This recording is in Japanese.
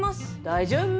大丈夫？